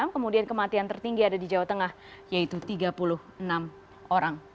kemudian kematian tertinggi ada di jawa tengah yaitu tiga puluh enam orang